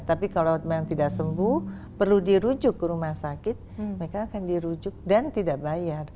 tapi kalau memang tidak sembuh perlu dirujuk ke rumah sakit mereka akan dirujuk dan tidak bayar